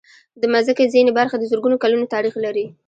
د مځکې ځینې برخې د زرګونو کلونو تاریخ لري.